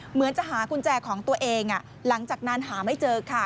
เหมือนจะหากุญแจของตัวเองหลังจากนั้นหาไม่เจอค่ะ